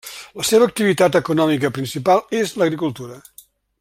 La seva activitat econòmica principal és l'agricultura.